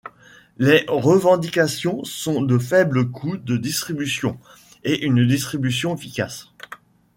Les revendications sont de faibles coûts de distribution et une distribution efficace.